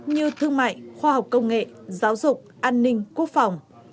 như thương mại khoa học công nghệ giáo dục an ninh quốc phòng